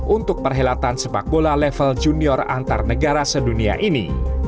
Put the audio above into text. untuk perhelatan sepak bola level junior antar negara sedunia ini